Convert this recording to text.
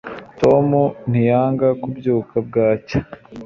tom ntiyanga kubyuka bwacya